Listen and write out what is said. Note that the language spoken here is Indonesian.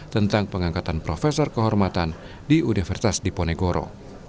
tentang pengangkatan profesor kehormatan di udvs di ponegoro